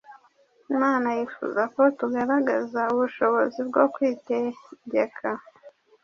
Imana yifuza ko tugaragaza ubushobozi bwo kwitegeka